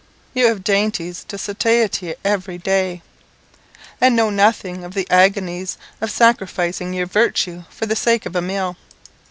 You have dainties to satiety every day, and know nothing of the agonies of sacrificing your virtue for the sake of a meal.